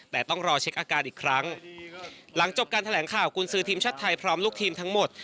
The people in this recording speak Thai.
แต่ต้องรอเช็คอาการอีกครั้งหลังจบการแถลงข่าวกุญสือทีมชาติไทยพร้อมลูกทีมทั้งหมด